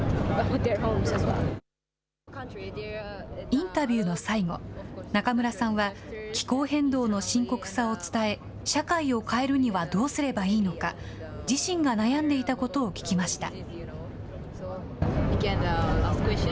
インタビューの最後、中村さんは気候変動の深刻さを伝え、社会を変えるにはどうすればいいのか、自身が悩んでいたことを聞きました。